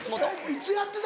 いつやってた？